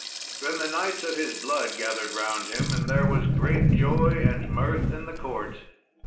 Then the knights of his blood gathered round him, and there was great joy and mirth in the court.